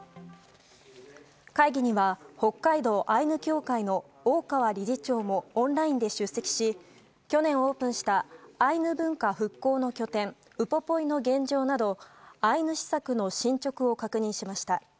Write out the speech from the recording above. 会議には北海道アイヌ協会の大川理事長もオンラインで出席し去年オープンしたアイヌ文化復興の拠点ウポポイの現状などアイヌ施策の進捗を確認しました。